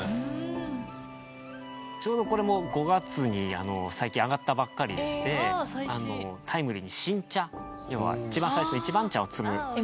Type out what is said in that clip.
ちょうどこれも５月に最近上がったばっかりでしてタイムリーに新茶要は一番最初一番茶を摘む動画ですね。